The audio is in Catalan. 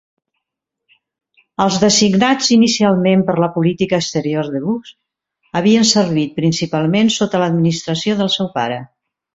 Els designats inicialment per la política exterior de Bush havien servit principalment sota l'administració del seu pare.